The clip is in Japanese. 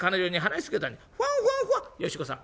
「よし子さん